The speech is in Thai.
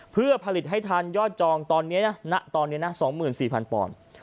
เพื่อผลิตให้ทันยอดจองตอนนี้นะณตอนนี้นะ๒๔๐๐ปอนด์